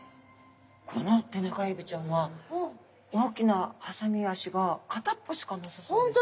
このテナガエビちゃんは大きなハサミ脚が片っぽしかなさそうですね。